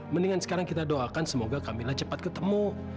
mendingan sekarang kita doakan semoga kamila cepat ketemu